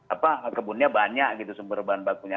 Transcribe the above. apa kebunnya banyak gitu sumber bahan bakunya